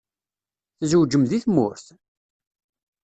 Tzewǧem deg tmurt?